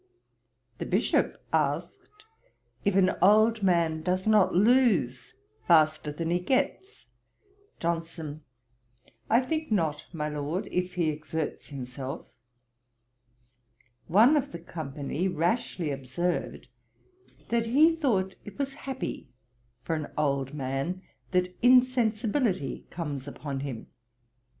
The Bishop asked, if an old man does not lose faster than he gets. JOHNSON. 'I think not, my Lord, if he exerts himself.' One of the company rashly observed, that he thought it was happy for an old man that insensibility comes upon him.